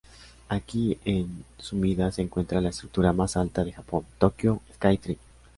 Aquí en Sumida se encuentra la estructura más alta de Japón: Tokyo Sky Tree